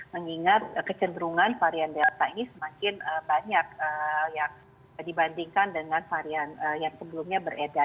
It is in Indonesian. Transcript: mengingat kecenderungan varian delta ini semakin banyak dibandingkan dengan varian yang sebelumnya beredar